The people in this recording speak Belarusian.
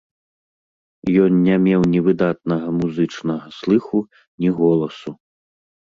Ён не меў ні выдатнага музычнага слыху, ні голасу.